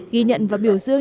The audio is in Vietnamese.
ghi nhận và biểu dương